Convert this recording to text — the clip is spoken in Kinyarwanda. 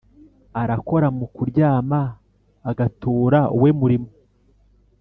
Arakora mukaryama, Agatura uwe murimo